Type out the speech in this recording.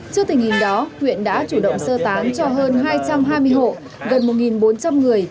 trước tình hình đó huyện đã chủ động sơ tán cho hơn hai trăm hai mươi hộ gần một bốn trăm linh người